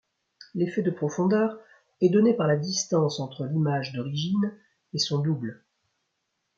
L'effet de profondeur est donné par la distance entre l'image d'origine et son double.